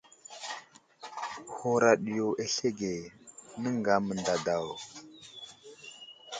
Huraɗ yo aslege, nəŋga mənday daw.